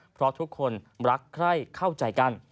เพราะทุกคนรักใคร่เข้าใจกัน